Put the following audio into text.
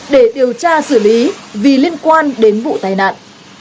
để điều tra xử lý vì liên quan đến vụ tai nạn